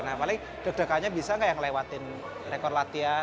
nah paling deg degannya bisa nggak yang ngelewatin rekor latihan